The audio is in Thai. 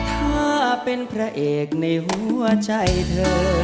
ถ้าเป็นพระเอกในหัวใจเธอ